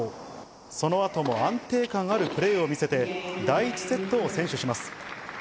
その後も安定感あるプレーを見せて第１セットを先取します。